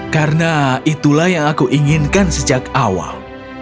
karena itulah yang aku inginkan sejak awal